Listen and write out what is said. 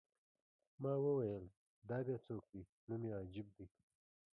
ما وویل: دا بیا څوک دی؟ نوم یې عجیب دی.